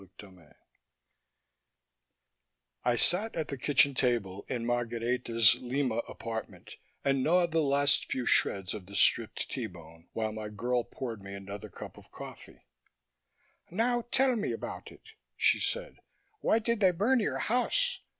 CHAPTER XI I sat at the kitchen table in Margareta's Lima apartment and gnawed the last few shreds off the stripped T bone, while my girl poured me another cup of coffee. "Now tell me about it," she said. "Why did they burn your house?